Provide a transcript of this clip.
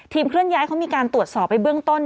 เคลื่อย้ายเขามีการตรวจสอบไปเบื้องต้น